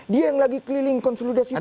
dia yang lagi keliling konsuludasi partai